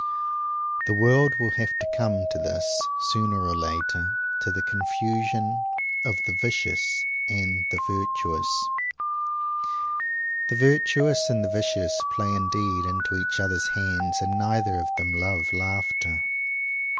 The world will have to come to this, sooner or later to the confusion of the vicious and the virtuous! The virtuous and the vicious play indeed into each others hands; and neither of them love laughter.